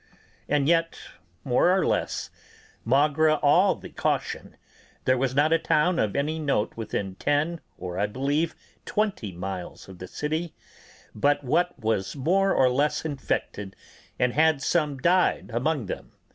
And yet, more or less, (with) all the caution, there was not a town of any note within ten (or, I believe, twenty) miles of the city but what was more or less infected and had some died among them.